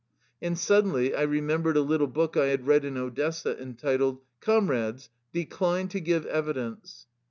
And suddenly I remembered a little book I had read in Odessa, entitled: " Comrades, decline to give evidence